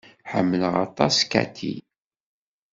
Ḥemmleɣ aṭas Cathy.